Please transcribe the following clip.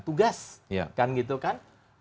tugas kan gitu kan